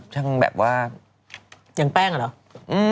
อย่างแป้งเหรอ